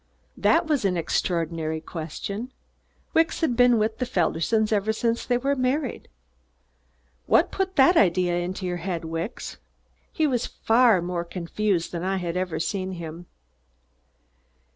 That was an extraordinary question. Wicks had been with the Feldersons ever since they were married. "What put that idea into your head, Wicks?" He was far more confused than I had ever seen him.